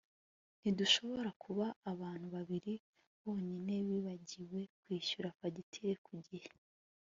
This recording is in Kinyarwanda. Ntidushobora kuba abantu babiri bonyine bibagiwe kwishyura fagitire ku gihe